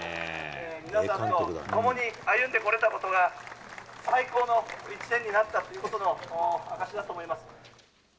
皆さんと共に歩んでこられたことが、最高の１年になったということの証しだと思います。